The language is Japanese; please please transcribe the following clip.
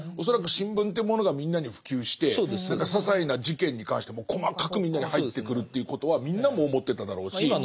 恐らく新聞というものがみんなに普及して何かささいな事件に関しても細かくみんなに入ってくるということはみんなも思ってただろうし。